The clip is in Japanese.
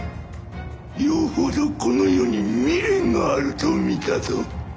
よほどこの世に未練があると見たぞ。